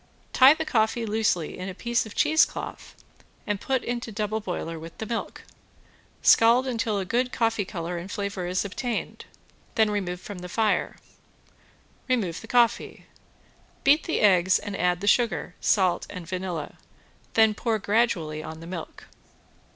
Tie the coffee loosely in a piece of cheesecloth and put into double boiler with the milk. Scald until a good coffee color and flavor is obtained, then remove from the fire. Remove the coffee. Beat the eggs and add the sugar, salt and vanilla, then pour on gradually the milk.